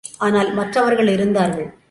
ஆனால் மற்றவர்கள் இருந்தார்கள்.